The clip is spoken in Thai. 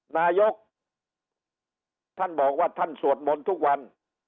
นายกท่านบอกว่าท่านสวดมนต์ทุกวัน